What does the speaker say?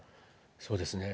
そうですね。